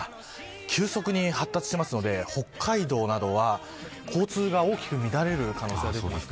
急速に発達していますので北海道などは交通が大きく乱れる可能性が出ています。